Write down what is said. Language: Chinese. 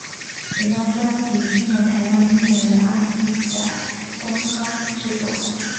整张专辑均由台湾音乐人阿弟仔担纲制作。